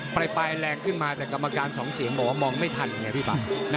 ปลายแรงขึ้นมาแต่กรรมการสองเสียงบอกว่ามองไม่ทันอย่างนี้นายพี่ป่าว